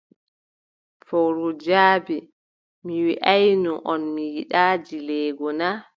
Fowru jaabi: Mi wiʼaayno on, mi yiɗaa dileego na?